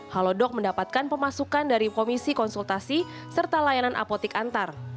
halodoc mendapatkan pemasukan dari komisi konsultasi serta layanan apotik antar